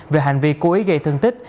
về hành vi cố ý gây thương tích